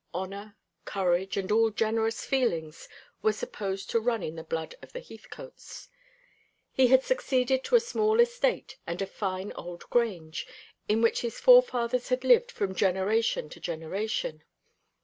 Honour, courage, and all generous feelings were supposed to run in the blood of the Heathcotes. He had succeeded to a small estate and a fine old Grange, in which his forefathers had lived from generation to generation.